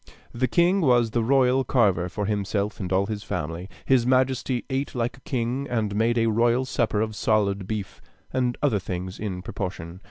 The king was the royal carver for himself and all his family. His majesty ate like a king, and made a royal supper of solid beef, and other things in proportion.